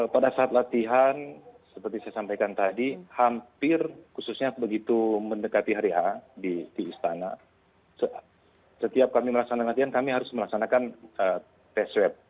pada saat latihan seperti saya sampaikan tadi hampir khususnya begitu mendekati hari h di istana setiap kami melaksanakan latihan kami harus melaksanakan tes swab